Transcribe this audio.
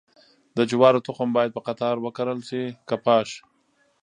د جوارو تخم باید په قطار وکرل شي که پاش؟